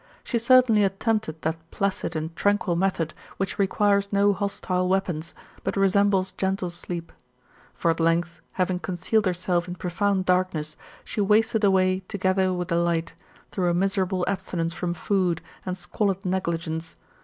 She certainly attempted that placid and tranquil method which requires no hostile weapons, but resembles gentle sleep; for at length, having concealed herself in profound darkness, she wasted away together with the light, through a miserable abstinence from food, and squalid negligence.